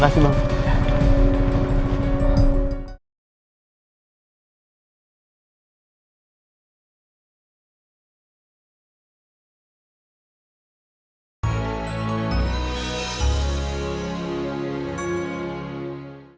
terima kasih bang